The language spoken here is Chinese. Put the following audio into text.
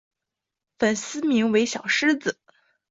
粉丝名为小狮子。